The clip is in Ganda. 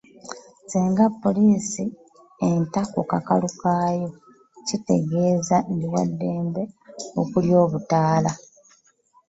Singa poliisi enta ku kakalu kaayo kitegeeza ndi waddembe okulya obutaala?